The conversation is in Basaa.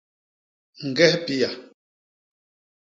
Ñges pia.